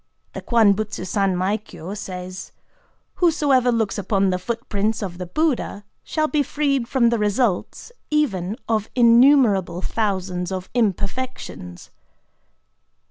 The KWAN BUTSU SANMAI KYO says:—"Whosoever looks upon the footprints of the Buddha shall be freed from the results even of innumerable thousands of imperfections."